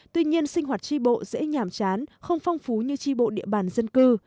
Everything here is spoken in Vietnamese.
tuy nhiên sinh hoạt tri bộ dễ nhàm chán không phong phú như tri bộ địa bàn dân cư